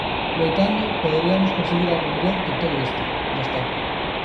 Loitando poderiamos conseguir algo mellor que todo isto, destaca.